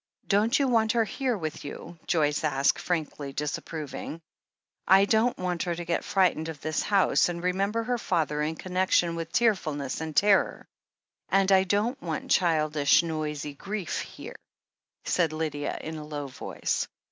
"Don't you want her here with you?" Joyce asked, frankly disapproving. ''I don't want her to get frightened of this house and remember her father in connection with tearfulness and terror. And I don't want childish, noisy grief here," said Lydia in a low voice.